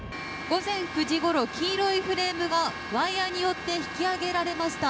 午前９時ごろ黄色いフレームがワイヤによって引き揚げられました。